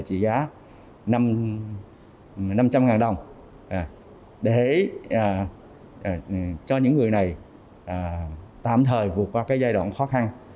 trị giá năm trăm linh đồng để cho những người này tạm thời vượt qua giai đoạn khó khăn